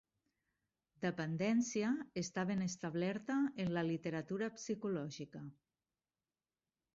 "Dependència" està ben establerta en la literatura psicològica.